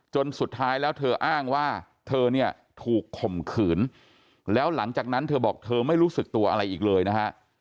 สุดท้ายแล้วเธออ้างว่าเธอเนี่ยถูกข่มขืนแล้วหลังจากนั้นเธอบอกเธอไม่รู้สึกตัวอะไรอีกเลยนะฮะ